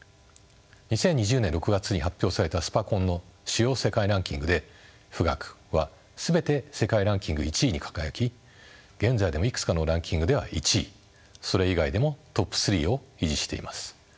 ２０２０年６月に発表されたスパコンの主要世界ランキングで富岳は全て世界ランキング１位に輝き現在でもいくつかのランキングでは１位それ以外でもトップ３を維持しています。